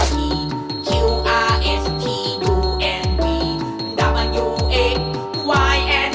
สวัสดีครับทุกคน